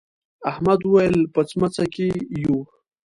احمد وويل: په سمڅه کې یو.